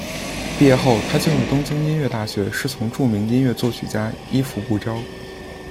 毕业后她进入东京音乐大学师从著名日本作曲家伊福部昭。